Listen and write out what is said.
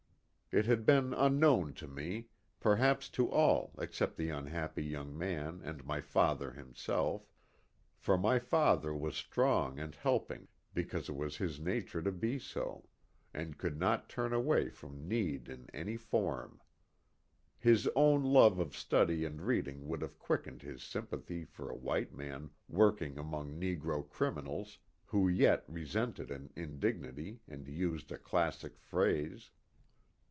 It had been unknown to me perhaps to all except the unhappy young man and my father himself; for my father was strong and helping because it was his nature to be so, and could not turn away from need in any form. His own love of study and reading would have quickened his sympathy for a white man working among negro criminals who yet re sented an indignity and used a classic phrase.